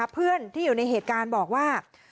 เพื่อนที่อยู่ในเหตุการณ์บอกว่า